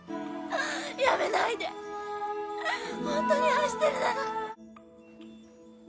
やめないで本当に愛してるなら。